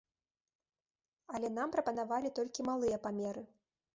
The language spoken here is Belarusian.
Але нам прапанавалі толькі малыя памеры.